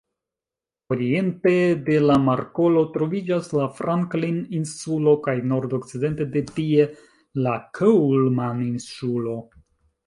Oriente de la markolo troviĝas la Franklin-Insulo kaj nordokcidente de tie la Coulman-Insulo.